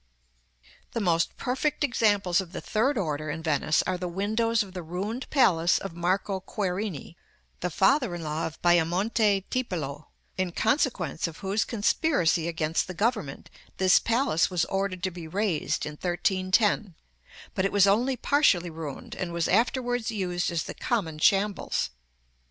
§ XXXII. The most perfect examples of the third order in Venice are the windows of the ruined palace of Marco Querini, the father in law of Bajamonte Tiepolo, in consequence of whose conspiracy against the government this palace was ordered to be razed in 1310; but it was only partially ruined, and was afterwards used as the common shambles.